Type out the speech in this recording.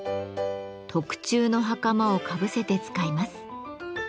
特注の袴をかぶせて使います。